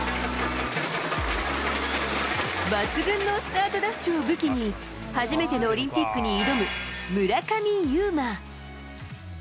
抜群のスタートダッシュを武器に、初めてのオリンピックに挑む、村上右磨。